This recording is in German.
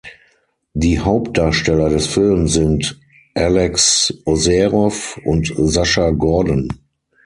Die Hauptdarsteller des Films sind Alex Ozerov und Sasha Gordon.